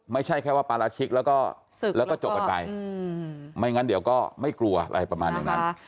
ไม่ใช่แค่ว่าปาราชิกแล้วก็ศึกแล้วก็จบกันไปไม่งั้นเดี๋ยวก็ไม่กลัวอะไรประมาณอย่างนั้น